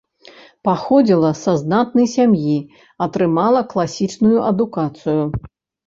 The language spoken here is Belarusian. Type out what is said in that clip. Паходзіла са знатнай сям'і, атрымала класічную адукацыю.